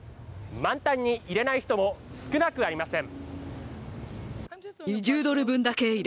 満タンに入れない人も少なくありません。